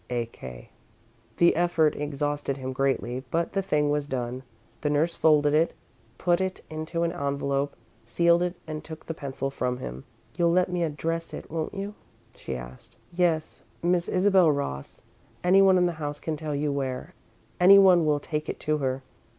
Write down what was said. "A. K." The effort exhausted him greatly, but the thing was done. The nurse folded it, put it into an envelope, sealed it, and took the pencil from him. "You'll let me address it, won't you?" she asked. "Yes. Miss Isabel Ross. Anyone in the house can tell you where anyone will take it to her.